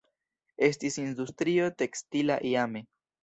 Estis industrio tekstila iame.